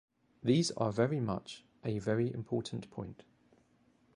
These are very much a very important point.